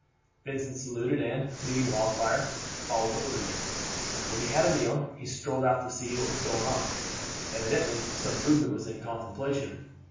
Vincent saluted, and, leading Wildfire, followed the orderly. When he had had a meal, he strolled out to see what was going on. Evidently some movement was in contemplation.